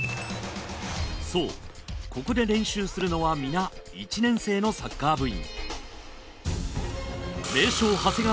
そうここで練習するのは皆１年生のサッカー部員